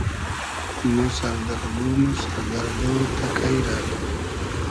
مۉ سئر دئر گوم و سئر گئردۉ تئکݷ رۂ